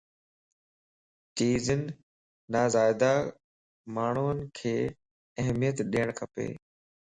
چيزين نازيادا ماڻھينک اھميت ڏيڻ کپَ